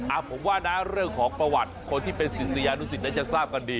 ผมว่านะเรื่องของประวัติคนที่เป็นศิษยานุสิตน่าจะทราบกันดี